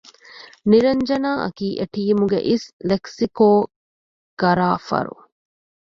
ނިރަންޖަނާ އަކީ އެޓީމުގެ އިސް ލެކްސިކޯގަރާފަރު